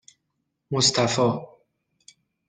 مصطفی